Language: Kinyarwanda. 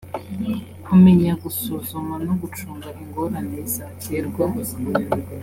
kumenya gusuzuma no gucunga ingorane zaterwa